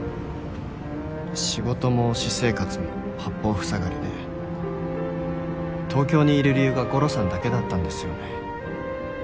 仕事も私生活も八方塞がりで東京にいる理由がゴロさんだけだったんですよね。